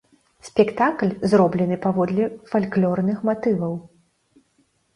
Спектакль зроблены паводле фальклорных матываў.